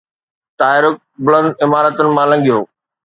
طائرڪ بلند عمارتن مان لنگھيو